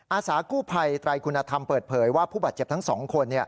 อาสากู้ภัยไตรคุณธรรมเปิดเผยว่าผู้บาดเจ็บทั้ง๒คน